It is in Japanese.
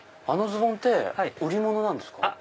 あのズボン売り物なんですか？